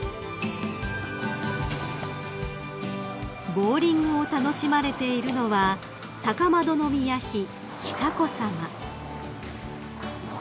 ［ボウリングを楽しまれているのは高円宮妃久子さま］